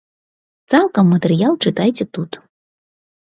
Цалкам матэрыял чытайце тут.